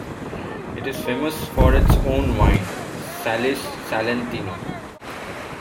It is famous for its own wine, Salice Salentino.